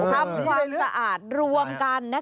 ทำความสะอาดรวมกัน